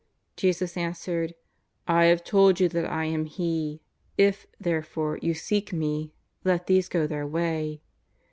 Jesus answered: "I liave told you that I am He; if, therefore, you seek !Me, let these go their way."